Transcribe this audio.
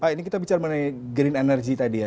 ini kita bicara mengenai green energy tadi ya